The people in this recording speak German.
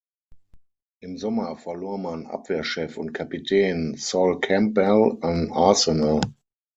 Im Sommer verlor man Abwehrchef und Kapitän Sol Campbell an Arsenal.